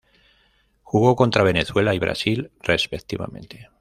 Jugó contra Venezuela y Brasil, respectivamente.